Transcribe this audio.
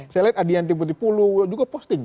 saya lihat adianti putih pulu juga posting